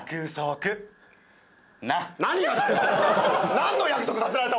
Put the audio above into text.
何の約束させられた？